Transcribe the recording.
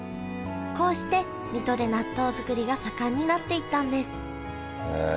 こうして水戸で納豆作りが盛んになっていったんですへえ。